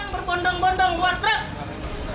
berbondong bondong buat trep